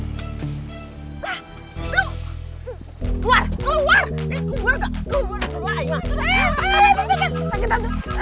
gak ada penyelesaian weirdest l runterna